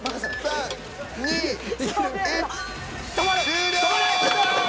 終了。